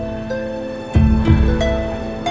lagi maha besar